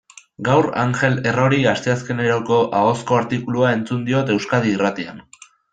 Gaur Angel Errori asteazkeneroko ahozko artikulua entzun diot Euskadi Irratian.